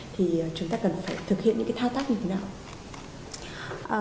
thì chúng ta cần phải thực hiện những cái thao tác như thế nào